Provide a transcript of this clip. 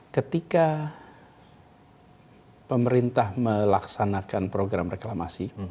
ketika pemerintah melaksanakan program reklamasi